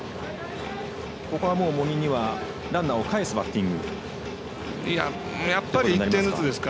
ここは茂木にはランナーをかえすバッティングになりますか。